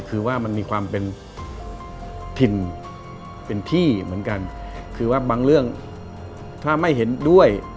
คือว่ามันมีความเป็นถิ่นเป็นที่เหมือนกันคือว่าบางเรื่องถ้าไม่เห็นด้วย